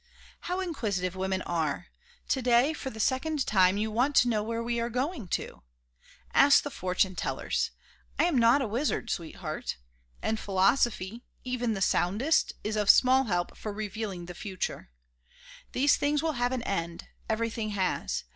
How inquisitive women are! to day, for the second time, you want to know where we are going to. Ask the fortune tellers. I am not a wizard, sweetheart. And philosophy, even the soundest, is of small help for revealing the future. These things will have an end; everything has.